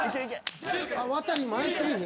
ワタリ前すぎひん？